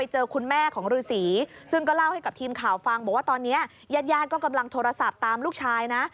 ให้กับทีมข่าวฟังบอกว่าตอนนี้ญาติญาณก็กำลังโทรศัพท์ตามลูกชายนะ